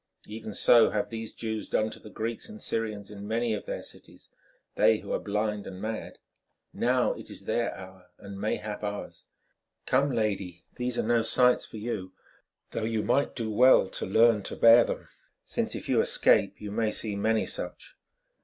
Even so have these Jews done to the Greeks and Syrians in many of the cities—they who are blind and mad. Now it is their hour, and mayhap ours. Come, lady, these are no sights for you, though you might do well to learn to bear them, since if you escape you may see many such.